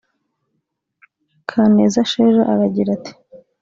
Kaneza Sheja aragira ati